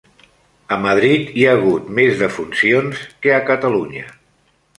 A Madrid hi ha hagut més defuncions que a Catalunya.